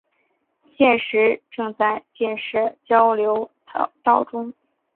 现时正在建设交流道中。